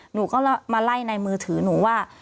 หนูก็มาไล่ในมือถือหนูว่า